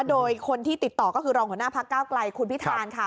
โดยคนที่ติดต่อก็คือรองหัวหน้าพักเก้าไกลคุณพิธานค่ะ